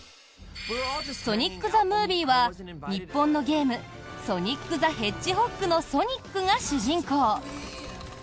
「ソニック・ザ・ムービー」は日本のゲーム「ソニック・ザ・ヘッジホッグ」のソニックが主人公。